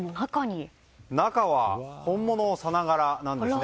中は本物さながらなんです。